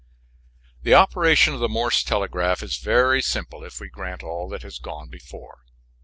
] The operation of the Morse telegraph is very simple if we grant all that has gone before.